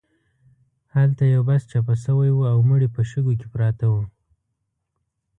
هلته یو بس چپه شوی و او مړي په شګو کې پراته وو.